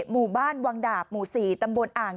หมู่บ้านวังดาบหมู่๔ตำบลอ่าง